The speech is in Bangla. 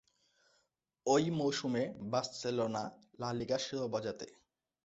ঐ মৌসুমে বার্সেলোনা লা লিগা শিরোপা জেতে।